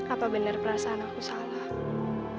apa benar perasaan aku salah